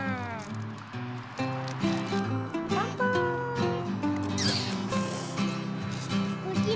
かんぱい！